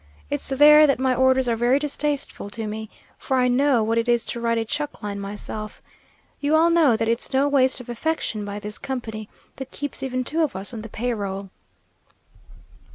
It's there that my orders are very distasteful to me, for I know what it is to ride a chuck line myself. You all know that it's no waste of affection by this company that keeps even two of us on the pay roll."